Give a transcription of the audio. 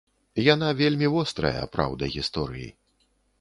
Яна вельмі вострая, праўда гісторыі.